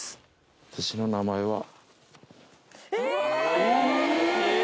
私の名前はあっ